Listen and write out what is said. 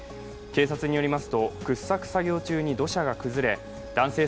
警察によりますと掘削作業中に土砂が崩れ男性